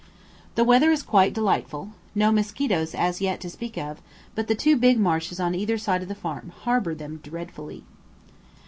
The weather is quite delightful, no mosquitoes as yet to speak of; but the two big marshes on either side of the farm harbour them dreadfully.